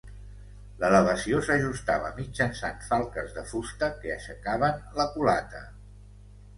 L'elevació s'ajustava mitjançant falques de fusta que aixecaven la culata.